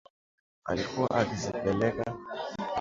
alikuwa akizipeleka kwa wanamgambo wa katika mkoa wa Kobu